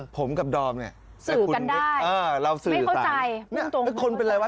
ผมกับดอมเนี้ยสืบกันได้เออเราสืบไม่เข้าใจคนเป็นไรวะ